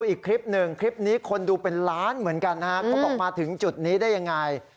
อีกคลิปหนึ่งคลิปนี้คนดูเป็นล้านเหมือนกันนะฮะเขาบอกมาถึงจุดนี้ได้ยังไง